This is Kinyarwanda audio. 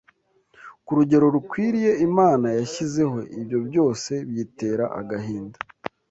ku rugero rukwiriye Imana yashyizeho, ibyo byose biyitera agahinda